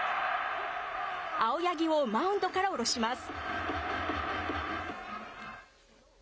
青柳をマウンドから降ろします。